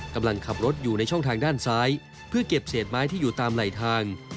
กำลังขับรถอยู่ในช่องทางด้านซ้ายเพื่อเก็บเศษไม้ที่อยู่ตามไหลทาง